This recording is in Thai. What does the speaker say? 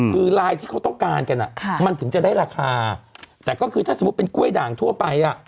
คือลายที่เขาต้องการกันอ่ะค่ะมันถึงจะได้ราคาแต่ก็คือถ้าสมมุติเป็นกล้วยด่างทั่วไปอ่ะ